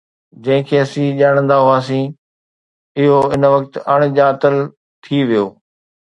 جنهن کي اسين ڄاڻندا هئاسين، اهو ان وقت اڻڄاتل ٿي ويو